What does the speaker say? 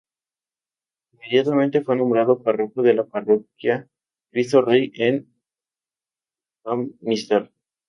Inmediatamente fue nombrado párroco de la parroquia Cristo Rey en Amman-Misdar.